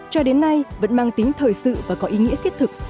cho đến nay vẫn mang tính thời sự và có ý nghĩa thiết thực